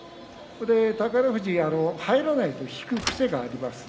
宝富士は入らないと引く癖があります。